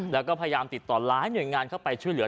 แล้วก็พยายามติดต่อหลายหน่วยงานเข้าไปช่วยเหลือ